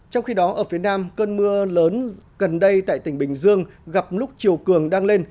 trong khi đó ở phía nam cơn mưa lớn gần đây tại tỉnh bình dương gặp lúc chiều cường đang lên